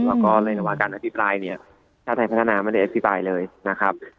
แล้วก็ในระหว่างการอภิปรายเนี่ยชาติไทยพัฒนาไม่ได้อธิบายเลยนะครับ